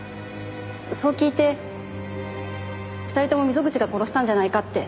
そう聞いて２人とも溝口が殺したんじゃないかって。